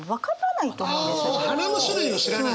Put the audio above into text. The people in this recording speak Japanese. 花の種類を知らない？